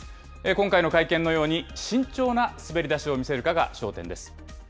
今回の会見のように、慎重な滑り出しを見せるかが焦点です。